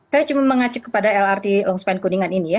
saya cuma mengacik kepada lrt longspan kuningan ini